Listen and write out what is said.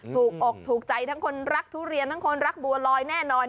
ถูกอกถูกใจทั้งคนรักทุเรียนทั้งคนรักบัวลอยแน่นอน